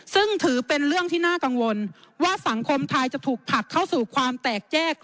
ซึ่งถือเป็นเรื่องที่น่ากังวลว่าสังคมไทยจะถูกผลักเข้าสู่ความแตกแยก